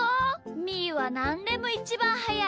みーはなんでもイチバンはやい